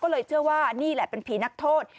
ก็เลยเชื่อว่านี่แหละเป็นผีนักโทษ